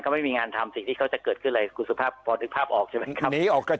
ไม่มีงานทำสิ่งที่เขาจะเกิดขึ้นเลยคุณสุภาพพอนึกภาพออกใช่ไหมครับ